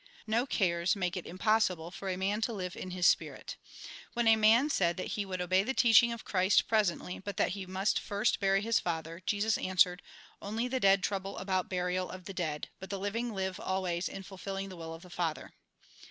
No cares make it impossible for a man to live in his Spirit. When a man said that he would obey the teaching of Christ presently, but that he must first bury his father, Jesus answered :" Only the dead trouble about burial of the dead ; but the living Uve always in fulfilhng the will of the Father."